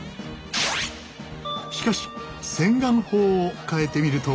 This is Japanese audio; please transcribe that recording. しかし洗顔法を変えてみると。